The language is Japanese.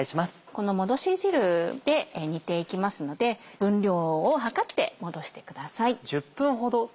このもどし汁で煮ていきますので分量を量ってもどしてください。